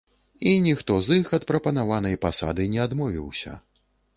І ніхто з іх ад прапанаванай пасады не адмовіўся.